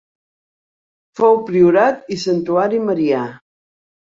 Fou priorat i santuari marià.